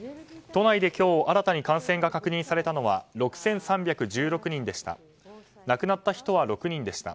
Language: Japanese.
都内で今日新たに感染が確認されたのは６３１６人でした。